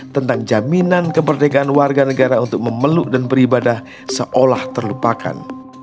tentang jaminan kemerdekaan warga negara untuk memeluk dan beribadah seolah terlupakan